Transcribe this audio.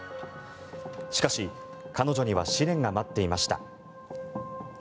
しかし、彼女には試練が待っていました。